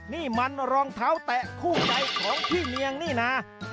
นี่มันรองเท้าแตะคู่ใจของพี่เนียงนี่นะ